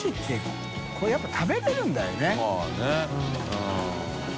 うん。